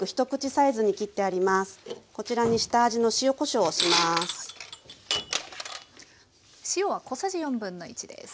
こちらに下味の塩こしょうをします。